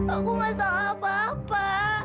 aku nggak salah apa apa